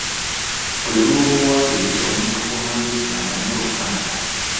Buli lw'oba owandiikira omuntu gw'omanyi nti amanyi Oluganda.